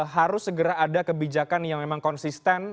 harus segera ada kebijakan yang memang konsisten